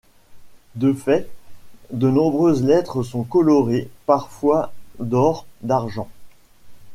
De fait, de nombreuses lettres sont colorées, parfois d'or, d'argent.